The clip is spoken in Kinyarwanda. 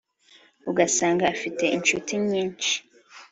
ugasanga afite inshuti nyinshi